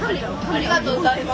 ありがとうございます。